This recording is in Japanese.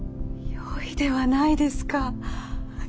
よいではないですか！